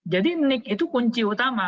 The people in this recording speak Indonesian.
jadi nick itu kunci utama